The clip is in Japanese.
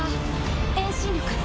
遠心力！